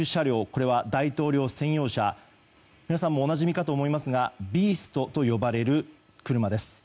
これは大統領専用車皆さんもおなじみかと思いますが「ビースト」と呼ばれる車です。